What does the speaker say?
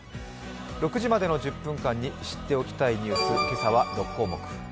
６時までの１０分間に知っておきたいニュース、今朝は６項目。